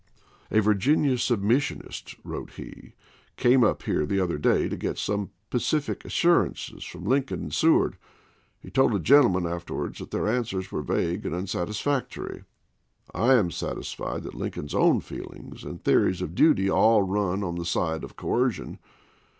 "A Virginia submissionist," wrote he, "came up here the other day to get some pacific assurances from Lincoln and Seward. He told a gentleman afterwards that their answers were vague and unsatisfactory. .. I am satisfied that Lincoln's own feelings and theories of duty all run on the side of coercion.